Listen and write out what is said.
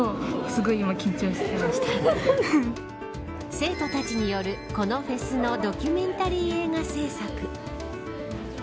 生徒たちによるこのフェスのドキュメンタリー映画製作。